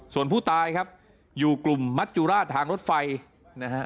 ส่วนผู้ตายครับอยู่กลุ่มมัจจุราชทางรถไฟนะฮะ